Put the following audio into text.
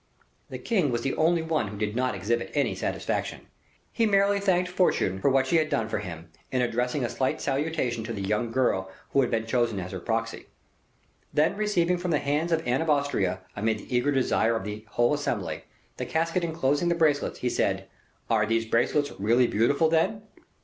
The king was the only one who did not exhibit any satisfaction. He merely thanked Fortune for what she had done for him, in addressing a slight salutation to the young girl who had been chosen as her proxy. Then receiving from the hands of Anne of Austria, amid the eager desire of the whole assembly, the casket inclosing the bracelets, he said, "Are these bracelets really beautiful, then?"